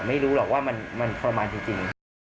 ไม่รู้หรอกว่ามันทรมานจริง